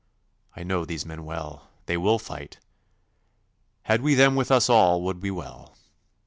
I know these men well. They will fight. Had we them with us all would be well.